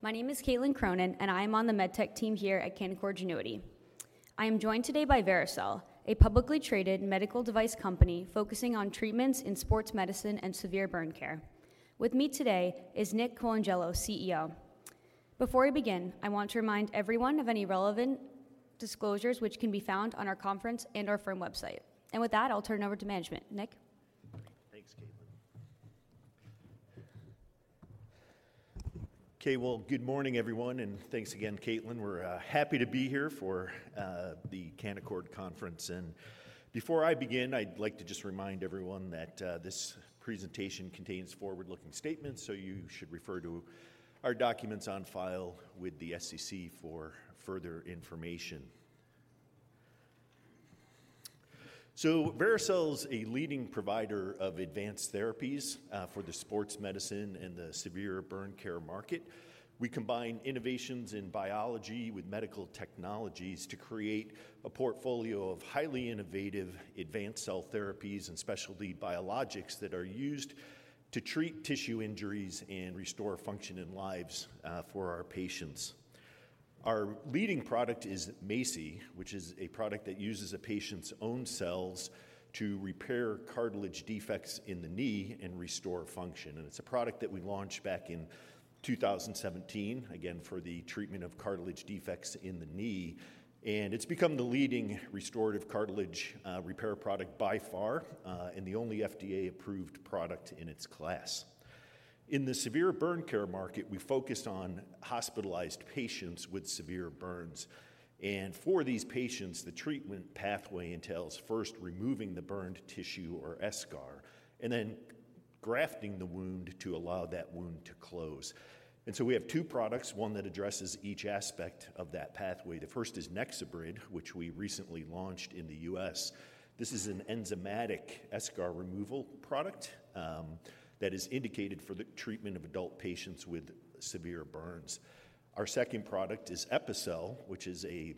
My name is Caitlin Cronin, and I am on the MedTech team here at Canaccord Genuity. I am joined today by Vericel, a publicly traded medical device company focusing on treatments in sports medicine and severe burn care. With me today is Nick Colangelo, CEO. Before we begin, I want to remind everyone of any relevant disclosures which can be found on our conference and our firm website. And with that, I'll turn it over to management. Nick? Thanks, Caitlin. Okay, well, good morning, everyone, and thanks again, Caitlin. We're happy to be here for the Canaccord Conference. Before I begin, I'd like to just remind everyone that this presentation contains forward-looking statements, so you should refer to our documents on file with the SEC for further information. Vericel's a leading provider of advanced therapies for the sports medicine and the severe burn care market. We combine innovations in biology with medical technologies to create a portfolio of highly innovative advanced cell therapies and specialty biologics that are used to treat tissue injuries and restore function and lives for our patients. Our leading product is MACI, which is a product that uses a patient's own cells to repair cartilage defects in the knee and restore function. It's a product that we launched back in 2017, again, for the treatment of cartilage defects in the knee, and it's become the leading restorative cartilage repair product by far and the only FDA-approved product in its class. In the severe burn care market, we focus on hospitalized patients with severe burns. And for these patients, the treatment pathway entails first removing the burned tissue or eschar and then grafting the wound to allow that wound to close. And so we have two products, one that addresses each aspect of that pathway. The first is NexoBrid, which we recently launched in the U.S. This is an enzymatic eschar removal product that is indicated for the treatment of adult patients with severe burns. Our second product is Epicel, which is a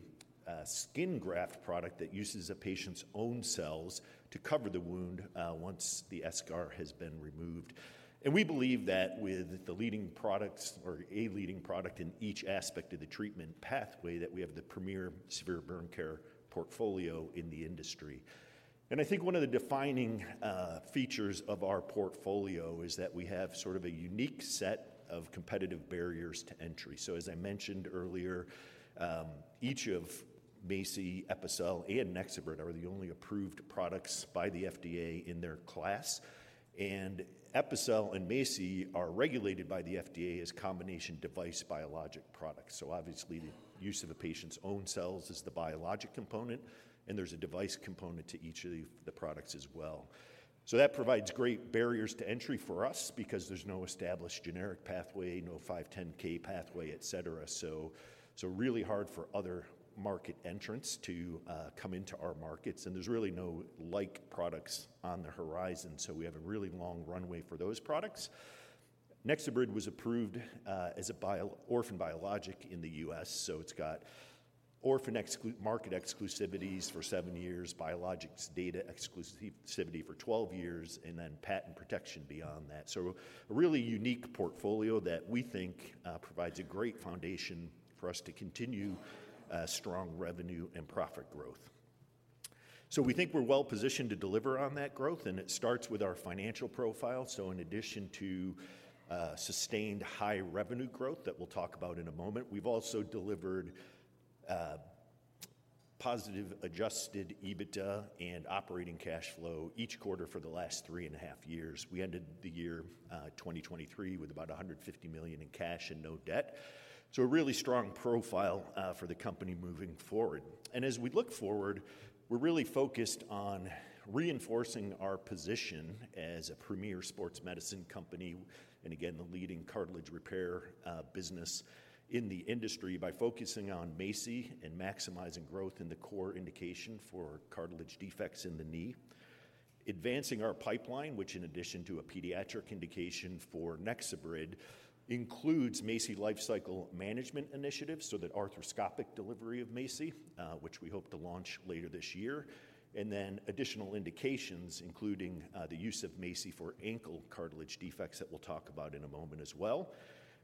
skin graft product that uses a patient's own cells to cover the wound once the eschar has been removed. We believe that with the leading products or a leading product in each aspect of the treatment pathway that we have the premier severe burn care portfolio in the industry. I think one of the defining features of our portfolio is that we have sort of a unique set of competitive barriers to entry. As I mentioned earlier, each of MACI, Epicel, and NexoBrid are the only approved products by the FDA in their class. Epicel and MACI are regulated by the FDA as combination device biologic products. Obviously, the use of a patient's own cells is the biologic component, and there's a device component to each of the products as well. That provides great barriers to entry for us because there's no established generic pathway, no 510(k) pathway, etc. Really hard for other market entrants to come into our markets. There's really no like products on the horizon, so we have a really long runway for those products. NexoBrid was approved as an orphan biologic in the U.S. It's got orphan market exclusivity for seven years, biologics data exclusivity for 12 years, and then patent protection beyond that. A really unique portfolio that we think provides a great foundation for us to continue strong revenue and profit growth. We think we're well positioned to deliver on that growth, and it starts with our financial profile. In addition to sustained high revenue growth that we'll talk about in a moment, we've also delivered positive Adjusted EBITDA and operating cash flow each quarter for the last three and a half years. We ended the year 2023 with about $150 million in cash and no debt. A really strong profile for the company moving forward. As we look forward, we're really focused on reinforcing our position as a premier sports medicine company and, again, the leading cartilage repair business in the industry by focusing on MACI and maximizing growth in the core indication for cartilage defects in the knee. Advancing our pipeline, which in addition to a pediatric indication for NexoBrid, includes MACI Lifecycle Management Initiative so that arthroscopic delivery of MACI, which we hope to launch later this year, and then additional indications including the use of MACI for ankle cartilage defects that we'll talk about in a moment as well.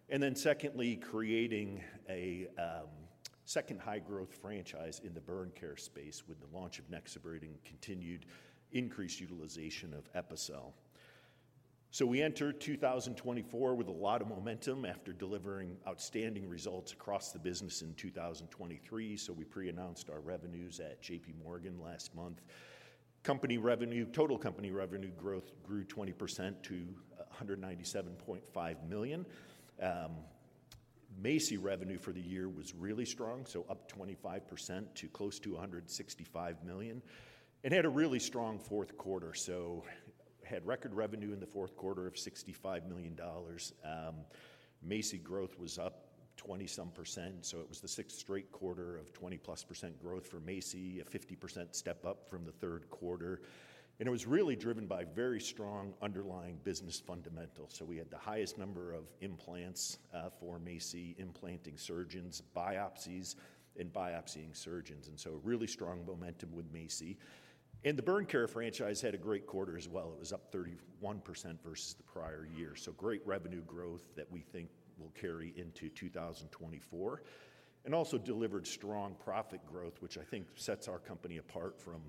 And then secondly, creating a second high-growth franchise in the burn care space with the launch of NexoBrid and continued increased utilization of Epicel. So we entered 2024 with a lot of momentum after delivering outstanding results across the business in 2023. So we pre-announced our revenues at J.P. Morgan last month. Company revenue, total company revenue growth grew 20% to $197.5 million. MACI revenue for the year was really strong, so up 25% to close to $165 million, and had a really strong fourth quarter. Had record revenue in the fourth quarter of $65 million. MACI growth was up 20-some%, so it was the sixth straight quarter of 20-plus% growth for MACI, a 50% step up from the third quarter. It was really driven by very strong underlying business fundamentals. We had the highest number of implants for MACI, implanting surgeons, biopsies, and biopsying surgeons. Really strong momentum with MACI. The burn care franchise had a great quarter as well. It was up 31% versus the prior year. So great revenue growth that we think will carry into 2024 and also delivered strong profit growth, which I think sets our company apart from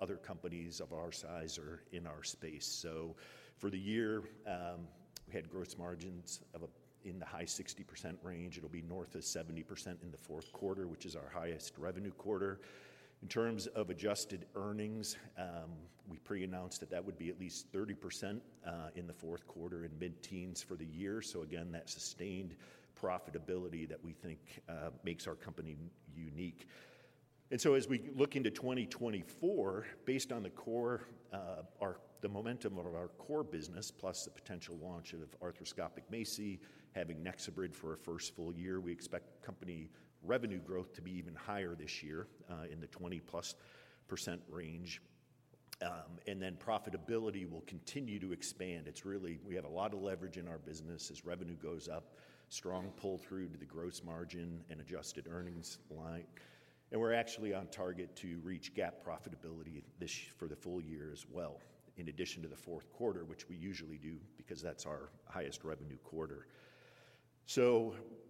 other companies of our size or in our space. So for the year, we had gross margins in the high 60% range. It'll be north of 70% in the fourth quarter, which is our highest revenue quarter. In terms of adjusted earnings, we pre-announced that that would be at least 30% in the fourth quarter and mid-teens for the year. So again, that sustained profitability that we think makes our company unique. And so as we look into 2024, based on the momentum of our core business plus the potential launch of arthroscopic MACI, having NexoBrid for our first full year, we expect company revenue growth to be even higher this year in the 20%+ range. And then profitability will continue to expand. It's really we have a lot of leverage in our business as revenue goes up, strong pull-through to the gross margin and adjusted earnings line. We're actually on target to reach GAAP profitability for the full year as well, in addition to the fourth quarter, which we usually do because that's our highest revenue quarter.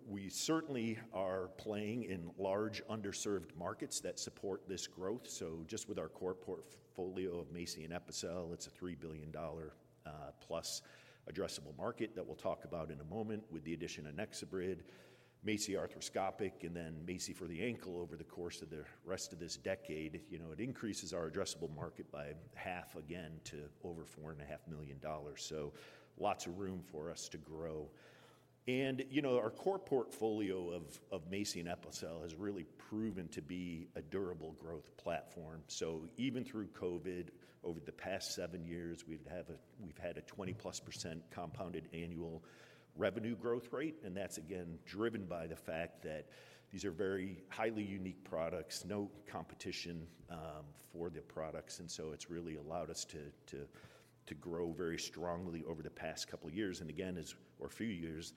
We certainly are playing in large underserved markets that support this growth. Just with our core portfolio of MACI and Epicel, it's a $3 billion-plus addressable market that we'll talk about in a moment with the addition of NexoBrid, MACI arthroscopic, and then MACI for the ankle over the course of the rest of this decade. It increases our addressable market by half again to over $4.5 million. Lots of room for us to grow. Our core portfolio of MACI and Epicel has really proven to be a durable growth platform. So even through COVID, over the past seven years, we've had a 20+% compounded annual revenue growth rate. And that's, again, driven by the fact that these are very highly unique products, no competition for the products. And so it's really allowed us to grow very strongly over the past couple of years and again, or few years.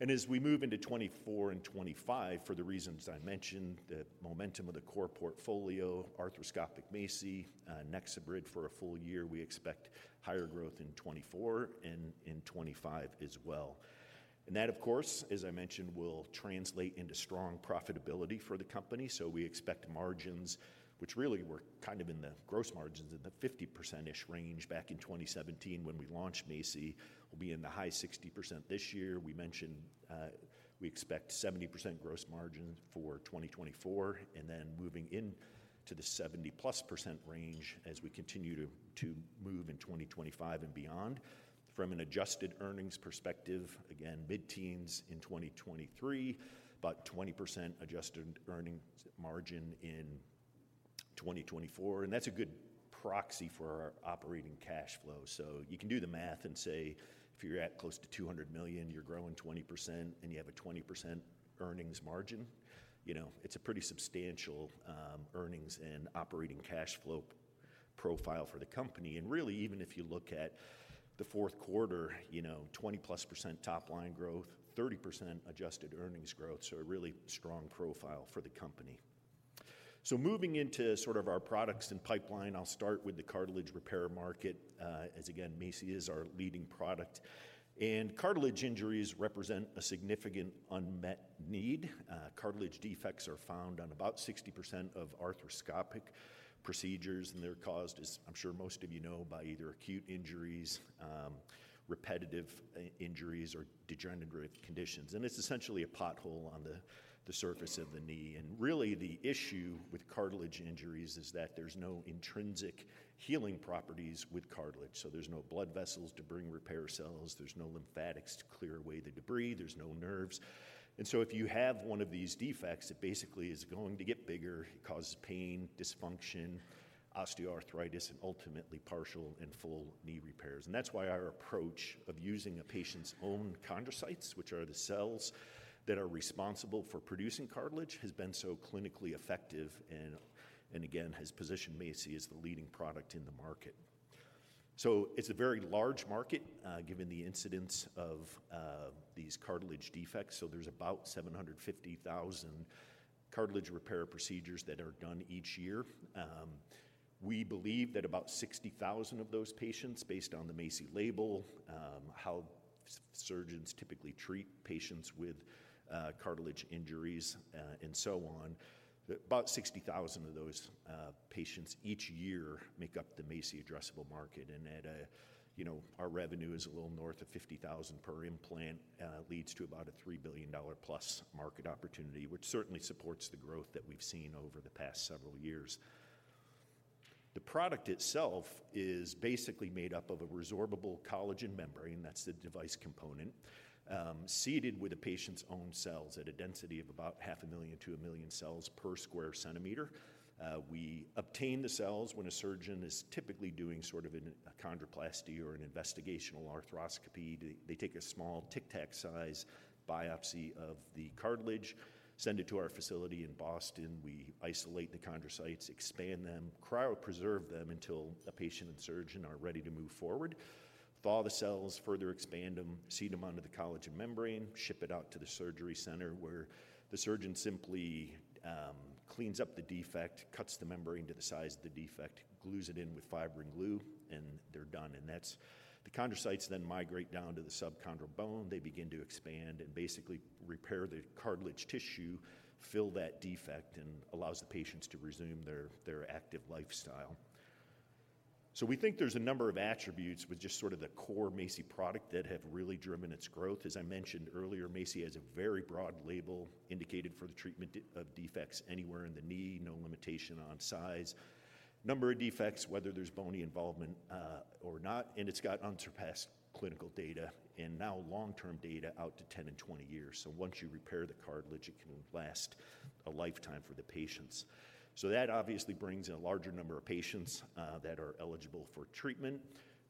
And as we move into 2024 and 2025, for the reasons I mentioned, the momentum of the core portfolio, arthroscopic MACI, NexoBrid for a full year, we expect higher growth in 2024 and in 2025 as well. And that, of course, as I mentioned, will translate into strong profitability for the company. So we expect margins, which really were kind of in the gross margins in the 50%-ish range back in 2017 when we launched MACI, will be in the high 60% this year. We mentioned we expect 70% gross margin for 2024 and then moving into the 70+% range as we continue to move in 2025 and beyond. From an adjusted earnings perspective, again, mid-teens in 2023, about 20% adjusted earnings margin in 2024. And that's a good proxy for our operating cash flow. So you can do the math and say if you're at close to $200 million, you're growing 20%, and you have a 20% earnings margin. It's a pretty substantial earnings and operating cash flow profile for the company. And really, even if you look at the fourth quarter, 20+% top-line growth, 30% adjusted earnings growth. So a really strong profile for the company. Moving into sort of our products and pipeline, I'll start with the cartilage repair market as, again, MACI is our leading product. Cartilage injuries represent a significant unmet need. Cartilage defects are found on about 60% of arthroscopic procedures, and they're caused, as I'm sure most of you know, by either acute injuries, repetitive injuries, or degenerative conditions. It's essentially a pothole on the surface of the knee. Really, the issue with cartilage injuries is that there's no intrinsic healing properties with cartilage. So there's no blood vessels to bring repair cells. There's no lymphatics to clear away the debris. There's no nerves. So if you have one of these defects, it basically is going to get bigger. It causes pain, dysfunction, osteoarthritis, and ultimately partial and full knee repairs. And that's why our approach of using a patient's own chondrocytes, which are the cells that are responsible for producing cartilage, has been so clinically effective and, again, has positioned MACI as the leading product in the market. It's a very large market given the incidence of these cartilage defects. There's about 750,000 cartilage repair procedures that are done each year. We believe that about 60,000 of those patients, based on the MACI label, how surgeons typically treat patients with cartilage injuries and so on, about 60,000 of those patients each year make up the MACI addressable market. And our revenue is a little north of 50,000 per implant, leads to about a $3 billion-plus market opportunity, which certainly supports the growth that we've seen over the past several years. The product itself is basically made up of a resorbable collagen membrane. That's the device component seeded with a patient's own cells at a density of about 500,000-1,000,000 cells per square centimeter. We obtain the cells when a surgeon is typically doing sort of a chondroplasty or an investigational arthroscopy. They take a small Tic Tac-size biopsy of the cartilage, send it to our facility in Boston. We isolate the chondrocytes, expand them, cryopreserve them until a patient and surgeon are ready to move forward, thaw the cells, further expand them, seed them onto the collagen membrane, ship it out to the surgery center where the surgeon simply cleans up the defect, cuts the membrane to the size of the defect, glues it in with fibrin glue, and they're done. The chondrocytes then migrate down to the subchondral bone. They begin to expand and basically repair the cartilage tissue, fill that defect, and allow the patients to resume their active lifestyle. So we think there's a number of attributes with just sort of the core MACI product that have really driven its growth. As I mentioned earlier, MACI has a very broad label indicated for the treatment of defects anywhere in the knee, no limitation on size, number of defects, whether there's bony involvement or not. And it's got unsurpassed clinical data and now long-term data out to 10 and 20 years. So once you repair the cartilage, it can last a lifetime for the patients. So that obviously brings in a larger number of patients that are eligible for treatment.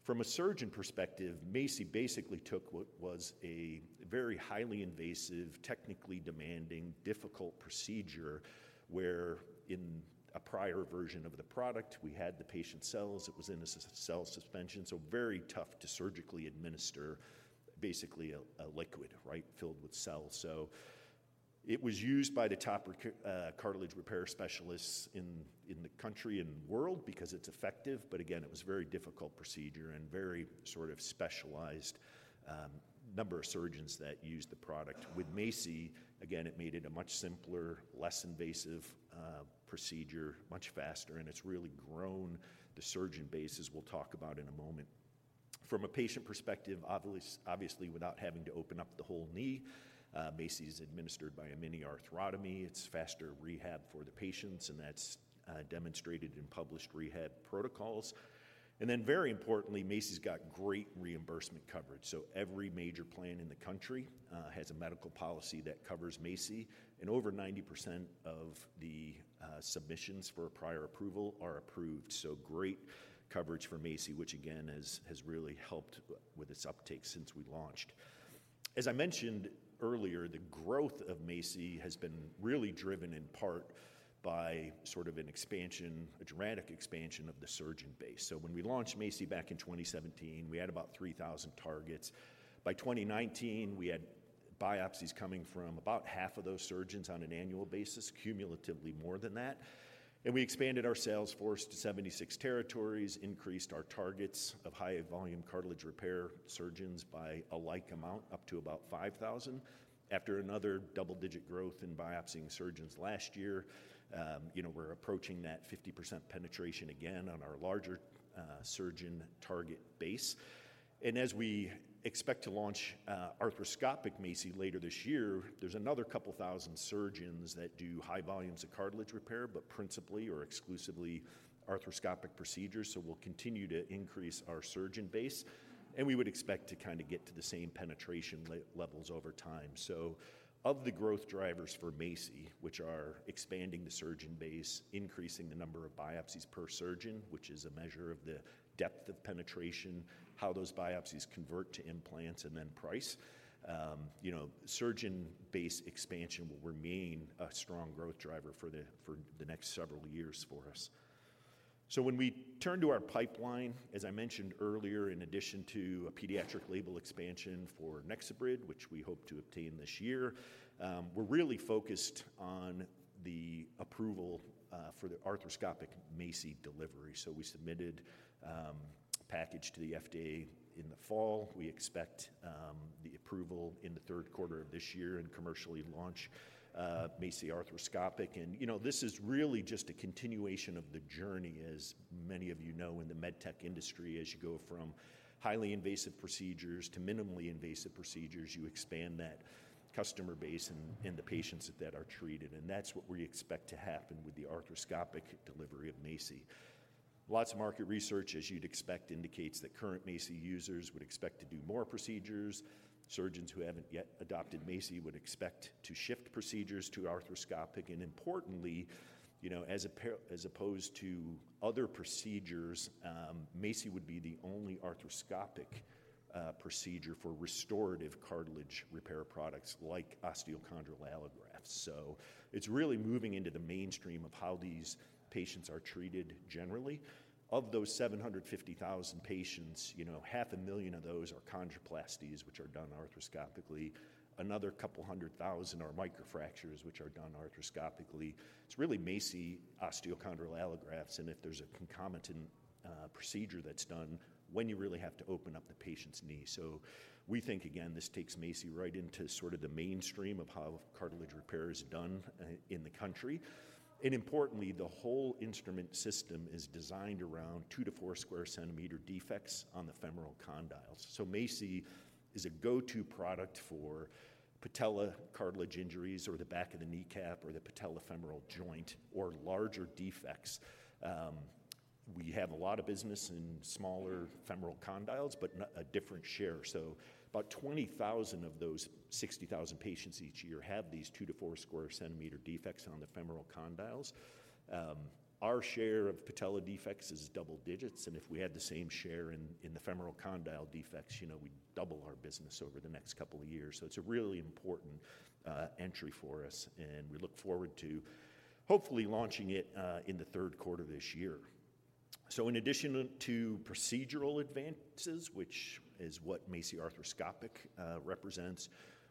From a surgeon perspective, MACI basically took what was a very highly invasive, technically demanding, difficult procedure where in a prior version of the product, we had the patient's cells. It was in a cell suspension, so very tough to surgically administer, basically a liquid, filled with cells. So it was used by the top cartilage repair specialists in the country and world because it's effective. But again, it was a very difficult procedure and very sort of specialized. Number of surgeons that used the product with MACI, again, it made it a much simpler, less invasive procedure, much faster. And it's really grown the surgeon bases we'll talk about in a moment. From a patient perspective, obviously, without having to open up the whole knee, MACI is administered by a mini-arthrotomy. It's faster rehab for the patients, and that's demonstrated in published rehab protocols. Very importantly, MACI's got great reimbursement coverage. Every major plan in the country has a medical policy that covers MACI, and over 90% of the submissions for prior approval are approved. Great coverage for MACI, which again has really helped with its uptake since we launched. As I mentioned earlier, the growth of MACI has been really driven in part by sort of a dramatic expansion of the surgeon base. When we launched MACI back in 2017, we had about 3,000 targets. By 2019, we had biopsies coming from about half of those surgeons on an annual basis, cumulatively more than that. We expanded our sales force to 76 territories, increased our targets of high-volume cartilage repair surgeons by a like amount, up to about 5,000. After another double-digit growth in biopsying surgeons last year, we're approaching that 50% penetration again on our larger surgeon target base. As we expect to launch arthroscopic MACI later this year, there's another 2,000 surgeons that do high volumes of cartilage repair but principally or exclusively arthroscopic procedures. We'll continue to increase our surgeon base, and we would expect to kind of get to the same penetration levels over time. Of the growth drivers for MACI, which are expanding the surgeon base, increasing the number of biopsies per surgeon, which is a measure of the depth of penetration, how those biopsies convert to implants, and then price, surgeon base expansion will remain a strong growth driver for the next several years for us. So when we turn to our pipeline, as I mentioned earlier, in addition to a pediatric label expansion for NexoBrid, which we hope to obtain this year, we're really focused on the approval for the arthroscopic MACI delivery. So we submitted a package to the FDA in the fall. We expect the approval in the third quarter of this year and commercially launch MACI arthroscopic. And this is really just a continuation of the journey, as many of you know, in the medtech industry. As you go from highly invasive procedures to minimally invasive procedures, you expand that customer base and the patients that are treated. And that's what we expect to happen with the arthroscopic delivery of MACI. Lots of market research, as you'd expect, indicates that current MACI users would expect to do more procedures. Surgeons who haven't yet adopted MACI would expect to shift procedures to arthroscopic. Importantly, as opposed to other procedures, MACI would be the only arthroscopic procedure for restorative cartilage repair products like osteochondral allografts. So it's really moving into the mainstream of how these patients are treated generally. Of those 750,000 patients, 500,000 of those are chondroplasties, which are done arthroscopically. Another 200,000 are microfractures, which are done arthroscopically. It's really MACI osteochondral allografts. And if there's a concomitant procedure that's done, when you really have to open up the patient's knee. So we think, again, this takes MACI right into sort of the mainstream of how cartilage repair is done in the country. And importantly, the whole instrument system is designed around 2-4 square centimeter defects on the femoral condyles. So MACI is a go-to product for patella cartilage injuries or the back of the kneecap or the patellofemoral joint or larger defects. We have a lot of business in smaller femoral condyles but a different share. So about 20,000 of those 60,000 patients each year have these 2-4 square centimeter defects on the femoral condyles. Our share of patella defects is double digits. And if we had the same share in the femoral condyle defects, we'd double our business over the next couple of years. So it's a really important entry for us, and we look forward to hopefully launching it in the third quarter of this year. So in addition to procedural advances, which is what MACI arthroscopic represents,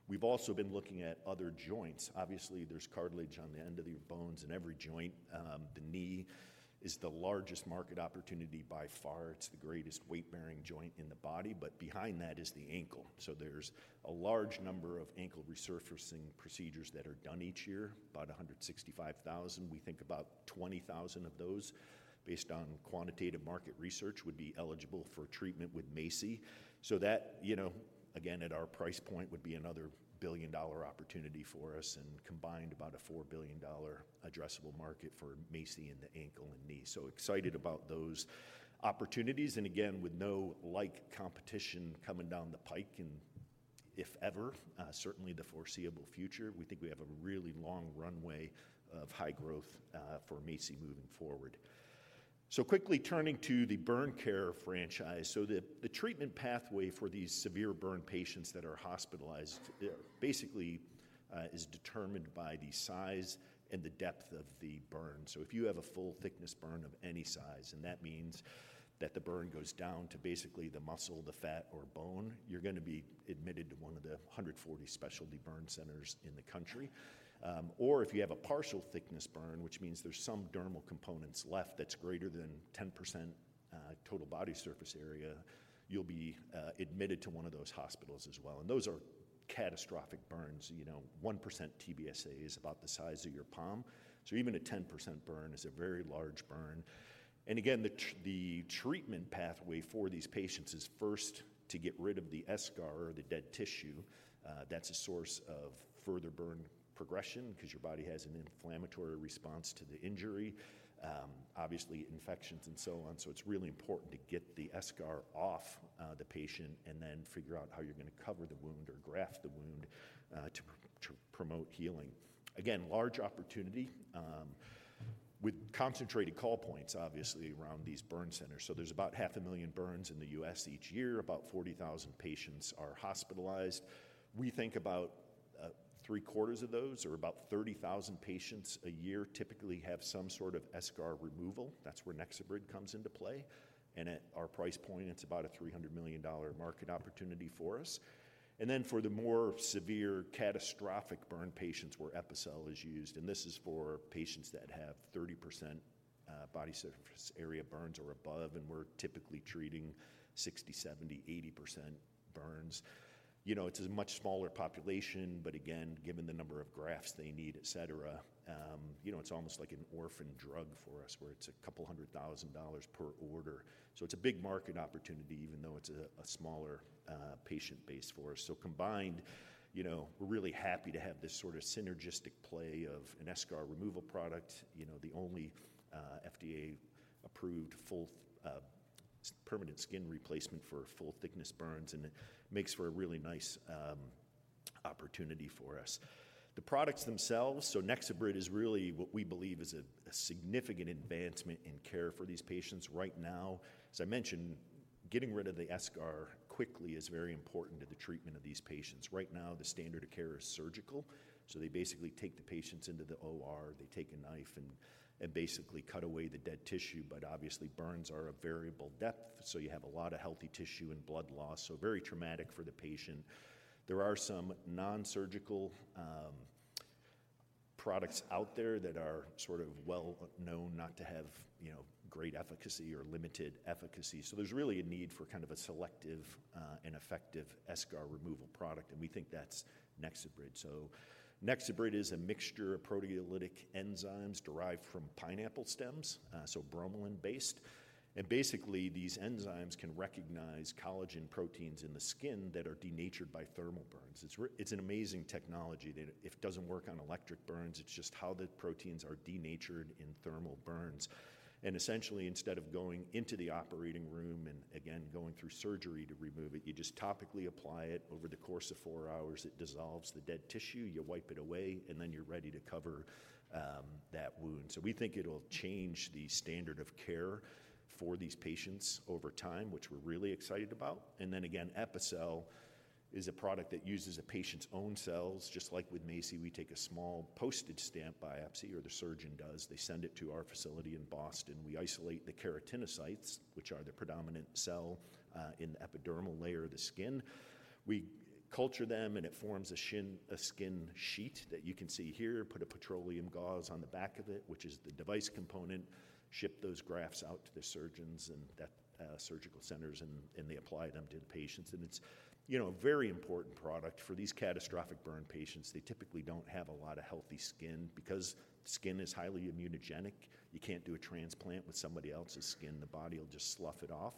we've also been looking at other joints. Obviously, there's cartilage on the end of the bones in every joint. The knee is the largest market opportunity by far. It's the greatest weight-bearing joint in the body, but behind that is the ankle. So there's a large number of ankle resurfacing procedures that are done each year, about 165,000. We think about 20,000 of those, based on quantitative market research, would be eligible for treatment with MACI. So that, again, at our price point, would be another billion-dollar opportunity for us and combined about a $4 billion addressable market for MACI in the ankle and knee. So excited about those opportunities. And again, with no like competition coming down the pike and if ever, certainly the foreseeable future, we think we have a really long runway of high growth for MACI moving forward. So quickly turning to the burn care franchise. So the treatment pathway for these severe burn patients that are hospitalized basically is determined by the size and the depth of the burn. So if you have a full-thickness burn of any size, and that means that the burn goes down to basically the muscle, the fat, or bone, you're going to be admitted to one of the 140 specialty burn centers in the country. Or if you have a partial-thickness burn, which means there's some dermal components left that's greater than 10% total body surface area, you'll be admitted to one of those hospitals as well. And those are catastrophic burns. 1% TBSA is about the size of your palm. So even a 10% burn is a very large burn. And again, the treatment pathway for these patients is first to get rid of the eschar or the dead tissue. That's a source of further burn progression because your body has an inflammatory response to the injury, obviously infections, and so on. So it's really important to get the eschar off the patient and then figure out how you're going to cover the wound or graft the wound to promote healing. Again, large opportunity with concentrated call points, obviously, around these burn centers. So there's about 500,000 burns in the U.S. each year. About 40,000 patients are hospitalized. We think about three-quarters of those or about 30,000 patients a year typically have some sort of eschar removal. That's where NexoBrid comes into play. And at our price point, it's about a $300 million market opportunity for us. And then for the more severe catastrophic burn patients, where Epicel is used - and this is for patients that have 30% body surface area burns or above and we're typically treating 60%, 70%, 80% burns - it's a much smaller population. But again, given the number of grafts they need, etc., it's almost like an orphan drug for us where it's $200,000 per order. So it's a big market opportunity even though it's a smaller patient base for us. So combined, we're really happy to have this sort of synergistic play of an eschar removal product, the only FDA-approved permanent skin replacement for full-thickness burns. And it makes for a really nice opportunity for us. The products themselves, so NexoBrid is really what we believe is a significant advancement in care for these patients right now. As I mentioned, getting rid of the eschar quickly is very important to the treatment of these patients. Right now, the standard of care is surgical. So they basically take the patients into the OR. They take a knife and basically cut away the dead tissue. Obviously, burns are a variable depth, so you have a lot of healthy tissue and blood loss, so very traumatic for the patient. There are some nonsurgical products out there that are sort of well-known not to have great efficacy or limited efficacy. There's really a need for kind of a selective and effective eschar removal product, and we think that's NexoBrid. NexoBrid is a mixture of proteolytic enzymes derived from pineapple stems, so bromelain-based. Basically, these enzymes can recognize collagen proteins in the skin that are denatured by thermal burns. It's an amazing technology. If it doesn't work on electric burns, it's just how the proteins are denatured in thermal burns. Essentially, instead of going into the operating room and again going through surgery to remove it, you just topically apply it. Over the course of four hours, it dissolves the dead tissue. You wipe it away, and then you're ready to cover that wound. So we think it'll change the standard of care for these patients over time, which we're really excited about. And then again, Epicel is a product that uses a patient's own cells. Just like with MACI, we take a small postage stamp biopsy or the surgeon does. They send it to our facility in Boston. We isolate the keratinocytes, which are the predominant cell in the epidermal layer of the skin. We culture them, and it forms a skin sheet that you can see here. Put a petroleum gauze on the back of it, which is the device component. Ship those grafts out to the surgeons and surgical centers, and they apply them to the patients. And it's a very important product. For these catastrophic burn patients, they typically don't have a lot of healthy skin because skin is highly immunogenic. You can't do a transplant with somebody else's skin. The body will just slough it off.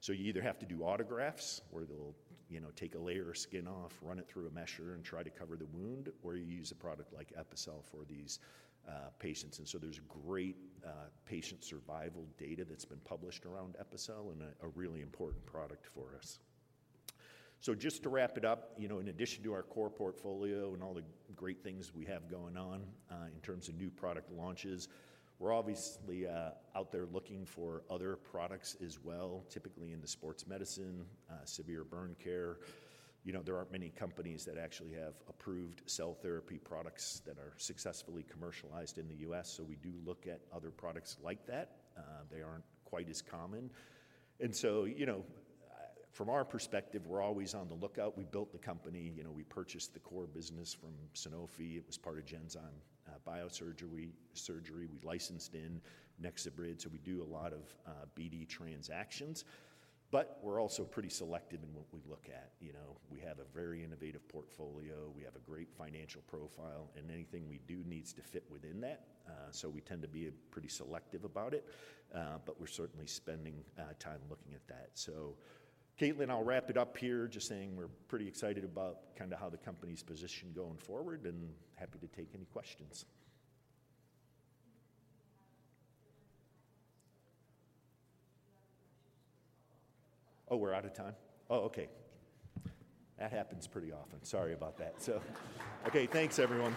So you either have to do autografts where they'll take a layer of skin off, run it through a mesher, and try to cover the wound, or you use a product like Epicel for these patients. And so there's great patient survival data that's been published around Epicel and a really important product for us. So just to wrap it up, in addition to our core portfolio and all the great things we have going on in terms of new product launches, we're obviously out there looking for other products as well, typically in the sports medicine, severe burn care. There aren't many companies that actually have approved cell therapy products that are successfully commercialized in the U.S. So we do look at other products like that. They aren't quite as common. And so from our perspective, we're always on the lookout. We built the company. We purchased the core business from Sanofi. It was part of Genzyme Biosurgery. We licensed in NexoBrid. So we do a lot of BD transactions. But we're also pretty selective in what we look at. We have a very innovative portfolio. We have a great financial profile. And anything we do needs to fit within that. So we tend to be pretty selective about it. But we're certainly spending time looking at that. So Caitlin, I'll wrap it up here just saying we're pretty excited about kind of how the company's position going forward and happy to take any questions. Do you have a bit more time left? So do you have any questions? Just a follow-up quick question. Oh, we're out of time. Oh, okay. That happens pretty often. Sorry about that. So okay, thanks, everyone.